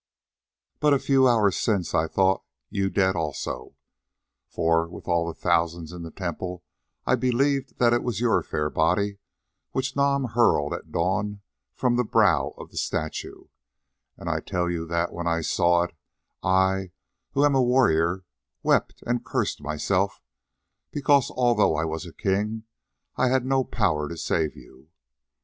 "But a few hours since I thought you dead also, for with all the thousands in the temple I believed that it was your fair body which Nam hurled at dawn from the brow of the statue, and I tell you that when I saw it, I, who am a warrior, wept and cursed myself, because, although I was a king, I had no power to save you.